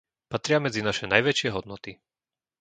Patria medzi naše najväčšie hodnoty.